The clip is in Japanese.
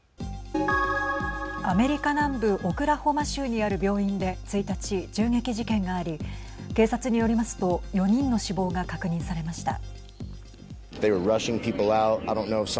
アメリカ南部オクラホマ州にある病院で１日、銃撃事件があり警察によりますと４人の死亡が確認されました。